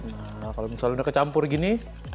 nah kalau misalnya udah kecampur gini